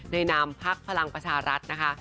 นามพักพลังประชารัฐนะคะ